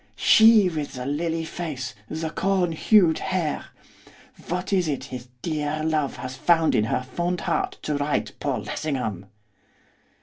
She with the lily face, the corn hued hair! What is it his dear love has found in her fond heart to write Paul Lessingham?